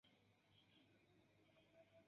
apartigo